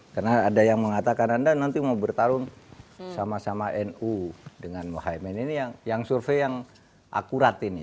karena ada yang mengatakan anda nanti mau bertarung sama sama nu dengan muhammad ini yang survei yang akurat ini